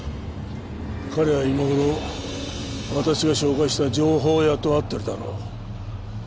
彼は今頃私が紹介した情報屋と会ってるだろう。